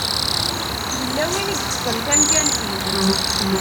Yella win i yeṭṭfen tamkant-iw.